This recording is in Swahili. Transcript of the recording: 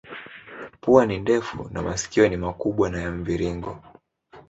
Pua ni ndefu na masikio ni makubwa na ya mviringo.